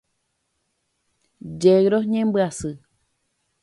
Yegros ñembyasy.